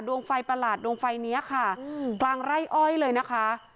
ดวงไฟประหลาดดวงไฟนี้ค่ะกลางไร่อ้อยเลยนะคะ